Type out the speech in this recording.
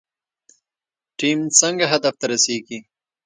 ټیم څنګه هدف ته رسیږي؟